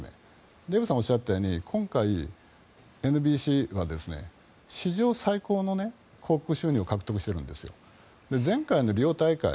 デーブさんがおっしゃるように今回、ＮＢＣは史上最大の放映権料を獲得しているんですよ。